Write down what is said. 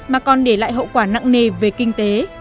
mà còn để lại hậu quả nặng nề về kinh tế